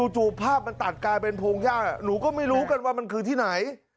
ภาพมันตัดกลายเป็นพงหญ้าหนูก็ไม่รู้กันว่ามันคือที่ไหน